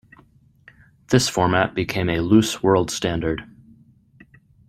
This format became a loose world standard.